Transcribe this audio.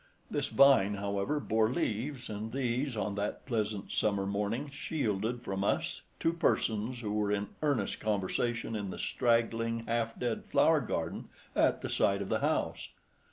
This vine, however, bore leaves, and these, on that pleasant summer morning, shielded from us two persons who were in earnest conversation in the straggling, half dead flower garden at the side of the house.